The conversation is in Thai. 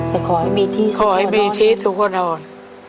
แต่ขอให้มีที่สุขกับนอนขอให้มีที่ทุกคนนอน